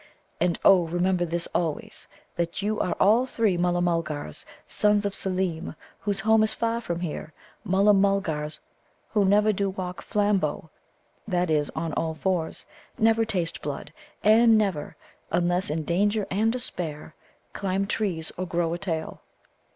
"And oh, remember this always: that you are all three Mulla mulgars, sons of Seelem, whose home is far from here Mulla mulgars who never do walk flambo that is, on all fours never taste blood, and never, unless in danger and despair, climb trees or grow a tail."